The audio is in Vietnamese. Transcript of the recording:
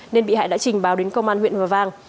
nên bị hại đã trình báo đến công an huyện hòa vang